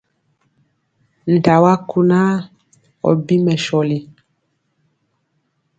Nta wa kunaa ɔ bi mɛsɔli!